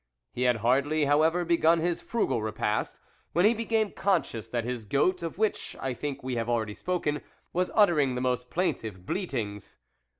He had hardly, however, begun his frugal repast, when he became conscious that his goat of which I think we have already spoken was uttering the most plaintive bleatings.